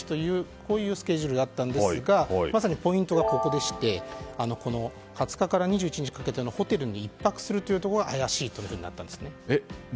こういうスケジュールだったんですがまさにポイントがここでして２０日から２１日にかけてホテルに１泊するのが怪しいというふうになったんですね。